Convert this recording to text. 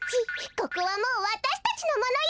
ここはもうわたしたちのものよ！